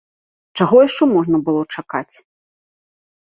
Чаго яшчэ можна было чакаць!